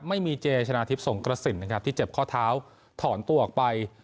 ไม่มีเจชนะทิพย์สงกระสินนะครับที่เจ็บข้อเท้าถอนตัวออกไป